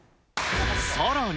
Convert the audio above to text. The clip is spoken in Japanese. さらに。